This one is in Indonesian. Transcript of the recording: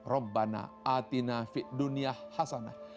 rabbana atina fi dunya hasanah